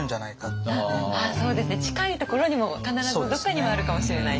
そうですね近いところにも必ずどっかにはあるかもしれない。